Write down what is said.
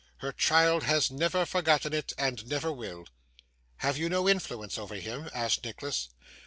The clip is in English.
Her child has never forgotten it, and never will.' 'Have you no influence over him?' asked Nicholas.